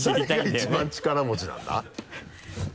誰が一番力持ちなんだ？